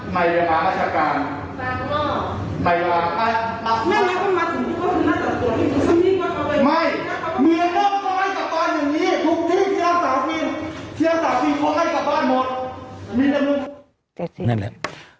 นั่นแหละ